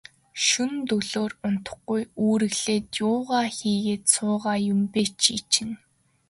Шөнө дөлөөр унтахгүй, үүрэглээд юугаа хийгээд суугаа юм бэ, чи чинь.